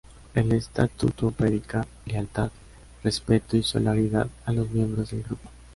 El estatuto predica "lealtad, respeto y solidaridad" a los miembros del grupo.